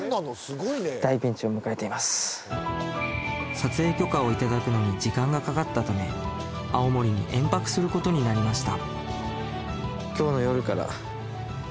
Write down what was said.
撮影許可をいただくのに時間がかかったため青森に延泊することになりました